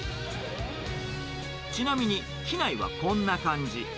ちなみに、機内はこんな感じ。